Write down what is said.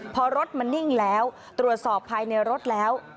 พอรถมันนิ่งแล้วตรวจสอบภายในรถแล้ว